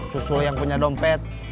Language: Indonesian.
susul yang punya dompet